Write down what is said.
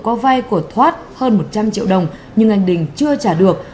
có vay của thoát hơn một trăm linh triệu đồng nhưng anh đình chưa trả được